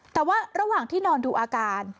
แต่ว่าระหว่างที่นอนดูอาการ